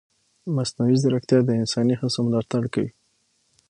مصنوعي ځیرکتیا د انساني هڅو ملاتړ کوي.